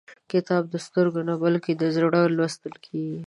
کتاب د سترګو نه، بلکې د زړه لوستل کېږي.